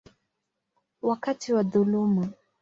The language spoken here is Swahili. wakati wa dhuluma.